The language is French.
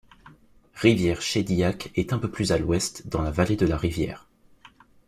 Rivière-Shédiac est un peu plus à l'ouest, dans la vallée de la rivière.